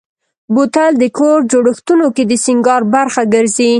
بوتل د کور جوړښتونو کې د سینګار برخه ګرځي.